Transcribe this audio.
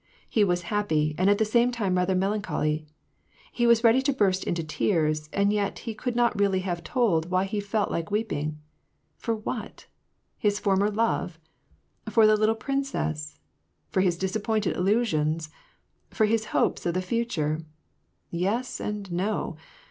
He was happy, and at the same time rather melancholy. He was ready to burst into tears, and yet he could not really have told why he felt like weeping. For what ?— his former love ?— For the little princess ? For his disappointed illusions ? For his hopes of the future ? Yes and no